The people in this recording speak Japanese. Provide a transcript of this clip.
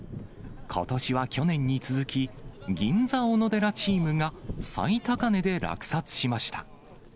ことしは去年に続き、銀座おのでらチームが最高値で落札しました。